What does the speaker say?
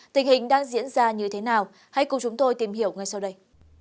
tình hình đang diễn ra như thế nào hãy cùng chúng tôi tìm hiểu ngay sau đây